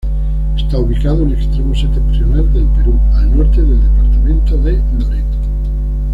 Está ubicado en extremo septentrional del Perú, al norte del departamento de Loreto.